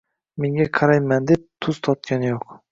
Menga qarayman deb, tuz totgani yo‘q